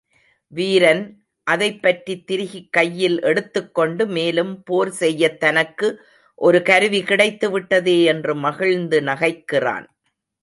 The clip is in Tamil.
வீரன் அதைப்பற்றித் திருகிக் கையில் எடுத்துக்கொண்டு, மேலும் போர்செய்யத் தனக்கு ஒரு கருவி கிடைத்துவிட்டதே என்று மகிழ்ந்து நகைக்கிறான்.